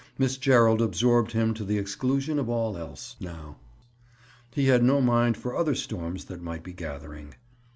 Miss Gerald absorbed him to the exclusion of all else now. He had no mind for other storms that might be gathering.